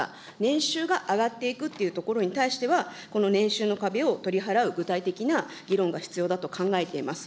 年収が上がっていくというところに対しては、この年収の壁を取り払う具体的な議論が必要だと考えています。